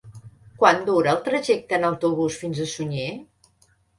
Quant dura el trajecte en autobús fins a Sunyer?